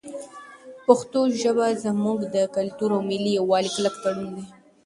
پښتو ژبه زموږ د کلتوري او ملي یووالي کلک تړون دی.